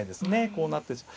こうなって。